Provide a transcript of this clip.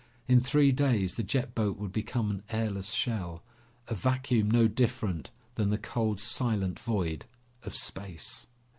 In three days the jet boat would become an airless shell. A vacuum no different than the cold silent void of space!